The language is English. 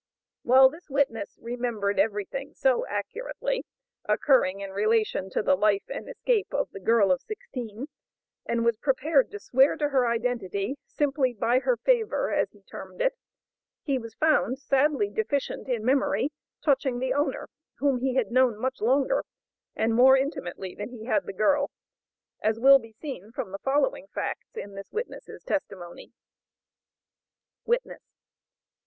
While this witness remembered every thing so accurately occurring in relation to the life and escape of the girl of sixteen, and was prepared to swear to her identity simply "by her favor," as he termed it, he was found sadly deficient in memory touching the owner, whom he had known much longer, and more intimately than he had the girl, as will be seen from the following facts in this witness' testimony: Witness.